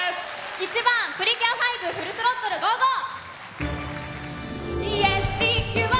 １番「プリキュア５、フル・スロットルＧＯＧＯ！」。